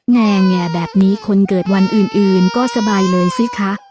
แงแบบนี้คนเกิดวันอื่นก็สบายเลยสิคะ